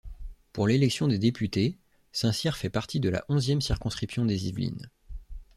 Pour l'élection des députés, Saint-Cyr fait partie de la onzième circonscription des Yvelines.